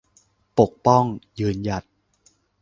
ปกป้อง ยืนหยัด